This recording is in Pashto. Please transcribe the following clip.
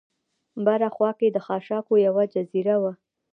بره خوا کې د خاشاکو یوه جزیره وه.